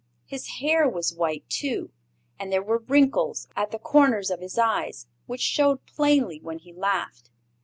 His hair was white, too, and there were wrinkles at the corners of his eyes, which showed plainly when he laughed.